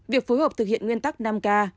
việc phối hợp thực hiện nguyên tắc năm k